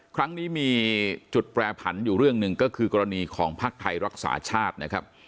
ครั้งนี้มีจุดแปรผันอยู่เรื่องหนึ่งก็คือกรณีของภักดิ์ไทยรักษาชาตินะครับ